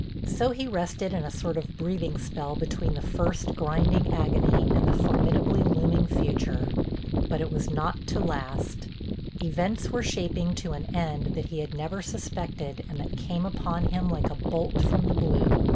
So he rested in a sort of breathing spell between the first, grinding agony and the formidably looming future. But it was not to last—events were shaping to an end that he had never suspected and that came upon him like a bolt from the blue.